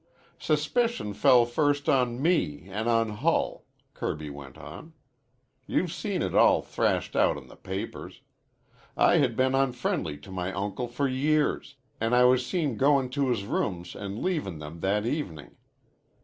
"Suspicion fell first on me an' on Hull," Kirby went on. "You've seen it all thrashed out in the papers. I had been unfriendly to my uncle for years, an' I was seen goin' to his rooms an' leavin' them that evening.